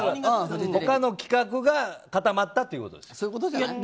他の企画が固まったということです。